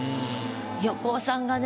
横尾さんがね